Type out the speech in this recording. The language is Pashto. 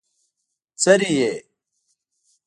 څري يې؟